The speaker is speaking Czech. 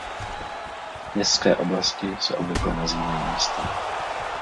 Městské oblasti se obvykle nazývají města.